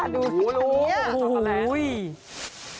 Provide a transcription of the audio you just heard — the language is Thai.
ดูสิอันนี้โอ้โฮ